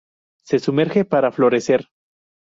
Se sumerge para florecer.